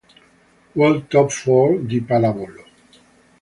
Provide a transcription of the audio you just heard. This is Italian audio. World Top Four di pallavolo